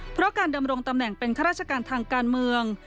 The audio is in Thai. เพราะการดำรงตำแหน่งเป็นข้าราชการทางการเมือง